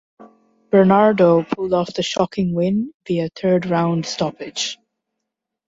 Bernardo pulled off the shocking win via third round stoppage.